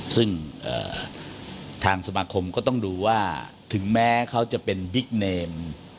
ซึ่งทางสมาคมก็ต้องดูว่าถึงแม้เขาจะเป็นบิ๊กเนม